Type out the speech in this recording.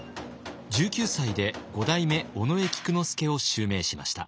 １９歳で五代目尾上菊之助を襲名しました。